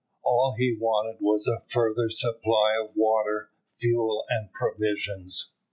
All he wanted was a further supply of water, fuel, and provisions.